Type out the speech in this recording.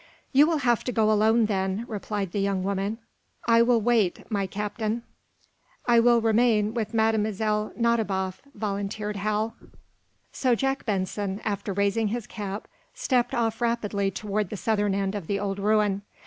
"You will have to go alone, then," replied the young woman. "I will wait, my Captain." "I will remain with Mlle. Nadiboff," volunteered Hal. So Jack Benson, after raising his cap, stepped off rapidly toward the southern end of the old ruin.